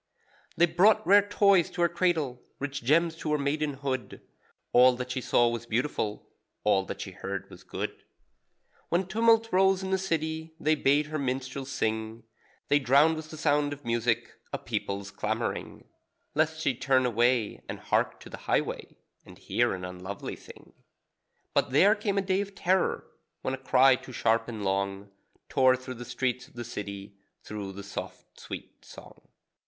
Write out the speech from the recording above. They brought rare toys to her cradle, rich gems to her maidenhood; All that she saw was beautiful, all that she heard was good. When tumult rose in the city they bade her minstrels sing; They drowned with the sound of music a people's clamouring; (Lest she turn and hark to the highway, And hear an unlovely thing.) But there came a day of terror, when a cry too sharp and long Tore through the streets of the city, through the soft, sweet song.